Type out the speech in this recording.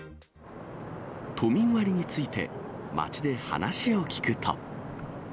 都民割について、街で話を聞くと。